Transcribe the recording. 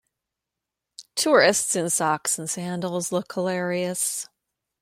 Tourists in socks and sandals look hilarious.